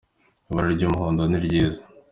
ibara ry' umuhondo niryiza